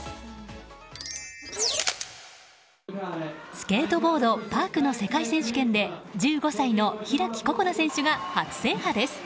スケートボード・パークの世界選手権で１５歳の開心那選手が初制覇です。